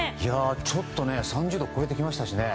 ちょっとね３０度を超えてきましたしね。